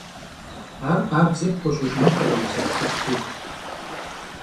Ar khabze pxueş'ıjjınu p'ere vuzepxıplhu?